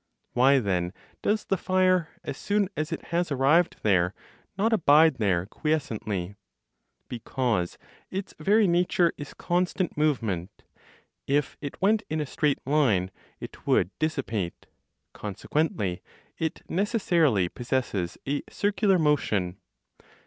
Why then does the fire as soon as it has arrived there, not abide there quiescently? Because its very nature is constant movement; if it went in a straight line, it would dissipate; consequently, it necessarily possesses a circular motion.